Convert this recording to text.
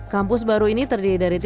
kampus baru ini terdiri dari tiga lantai